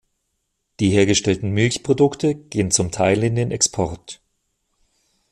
Die hergestellten Milchprodukte gehen zum Teil in den Export.